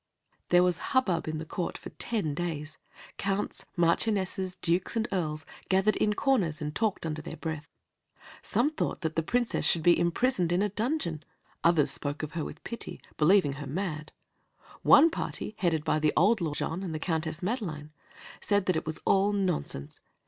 There was hubbub in the court for ten days. Counts, marchionesses, dukes, and earls gathered in corners and talked under their breath. Some thought that the Princess should be imprisoned in a dungeon; others spoke of her with pity, believing her mad. One party, headed by old Lord Jean and the Countess Madeline, said that it was all nonsense.